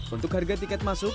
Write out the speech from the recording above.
untuk harga tiket masuk